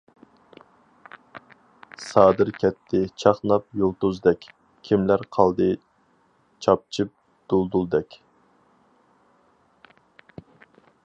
سادىر كەتتى چاقناپ يۇلتۇزدەك، كىملەر قالدى چاپچىپ دۇلدۇلدەك.